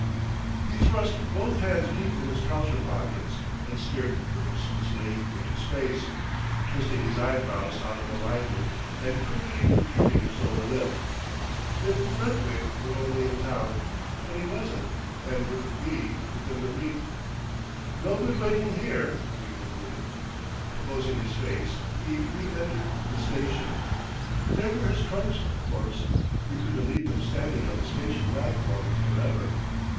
He thrust both hands deep in his trouser pockets and stared purposelessly into space, twisting his eyebrows out of alignment and crookedly protruding his lower lip. If Brentwick were only in town But he wasn't, and wouldn't be, within the week. "No good waiting here," he concluded. Composing his face, he reëntered the station. There were his trunks, of course. He couldn't leave them standing on the station platform for ever.